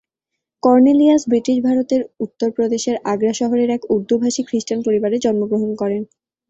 Cornelius British ভারতের উত্তর প্রদেশের আগ্রা শহরের এক উর্দুভাষী খ্রিস্টান পরিবারে জন্মগ্রহণ করেন।